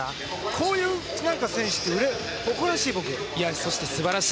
こういう選手ってそして素晴らしい。